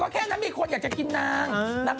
ก็แค่มีคนอยากจะกินนาง